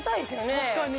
確かに。